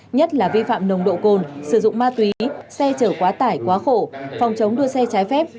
nhất là vi phạm nồng độ cồn sử dụng ma túy xe chở quá tải quá khổ phòng chống đua xe trái phép